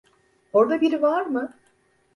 Orada biri var mı?